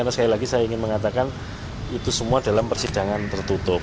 saya ingin mengatakan itu semua dalam persidangan tertutup